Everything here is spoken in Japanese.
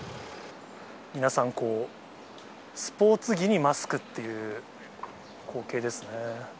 皆さん、こうスポーツ着にマスクっていう光景ですね。